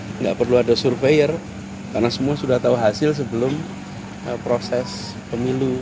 tidak perlu ada surveyor karena semua sudah tahu hasil sebelum proses pemilu